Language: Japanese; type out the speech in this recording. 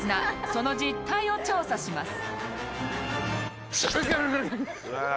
その実態を調査します。